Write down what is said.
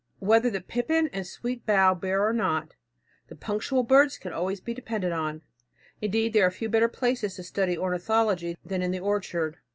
Whether the pippin and sweetbough bear or not, the "punctual birds" can always be depended on. Indeed, there are few better places to study ornithology than in the orchard.